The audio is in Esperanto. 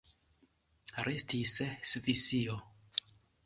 Restis Svisio.